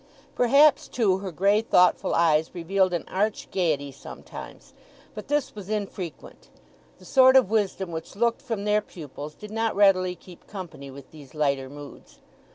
Perhaps, too, her grey, thoughtful eyes revealed an arch gaiety sometimes; but this was infrequent; the sort of wisdom which looked from their pupils did not readily keep company with these lighter moods.